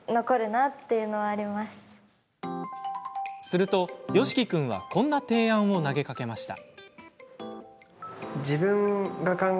すると、よしき君はこんな提案を投げかけました。